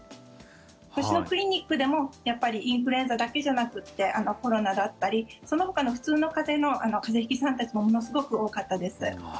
私のクリニックでも、やっぱりインフルエンザだけじゃなくてコロナだったり、そのほかの普通の風邪引きさんたちもものすごく多かったです。